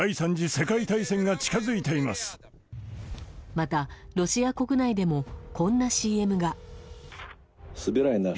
また、ロシア国内でもこんなＣＭが。